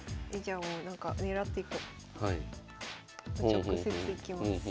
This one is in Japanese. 直接いきます。